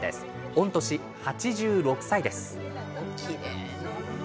御年８６歳です。